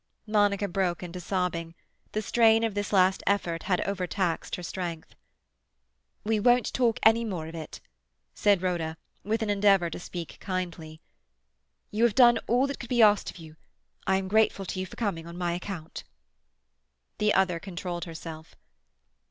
Monica broke into sobbing. The strain of this last effort had overtaxed her strength. "We won't talk any more of it," said Rhoda, with an endeavour to speak kindly. "You have done all that could be asked of you. I am grateful to you for coming on my account." The other controlled herself.